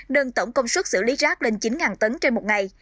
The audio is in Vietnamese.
đơn tổng công suất xử lý rác lên chín tấn trên một ngày